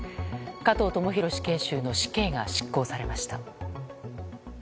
加藤智大死刑囚の死刑が執行されました。